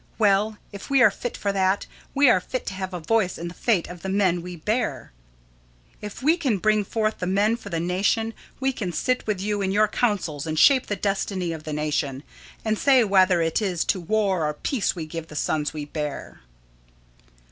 Well, if we are fit for that, we are fit to have a voice in the fate of the men we bear. If we can bring forth the men for the nation, we can sit with you in your councils and shape the destiny of the nation, and say whether it is to war or peace we give the sons we bear.